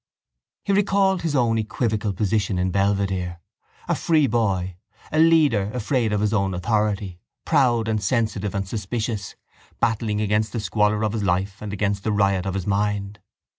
He recalled his own equivocal position in Belvedere, a free boy, a leader afraid of his own authority, proud and sensitive and suspicious, battling against the squalor of his life and against the riot of his mind.